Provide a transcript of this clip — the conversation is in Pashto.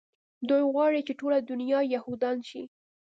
دوى غواړي چې ټوله دونيا يهودان شي.